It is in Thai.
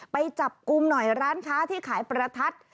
ไปจับกลุ่มหน่อยร้านค้าที่ขายประทัด